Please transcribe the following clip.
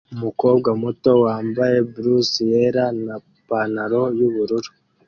Umukobwa muto wambaye blouse yera na pantaro yubururu